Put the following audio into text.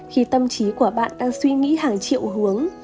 khi tâm trí của bạn đang suy nghĩ hàng triệu hướng